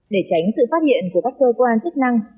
để tránh sự phát hiện của các cơ quan chức năng